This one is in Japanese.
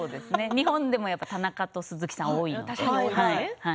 日本でも田中と鈴木さんが多いので。